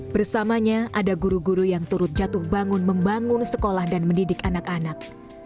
bersamanya ada guru guru yang turut jatuh bangun membangun sekolah dan mendidik anak anak